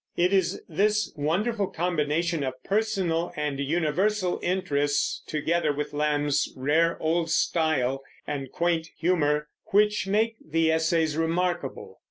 It is this wonderful combination of personal and universal interests, together with Lamb's rare old style and quaint humor, which make the essays remarkable.